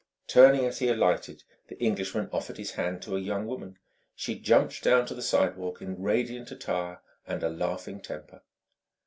Turning as he alighted, the Englishman offered his hand to a young woman. She jumped down to the sidewalk in radiant attire and a laughing temper.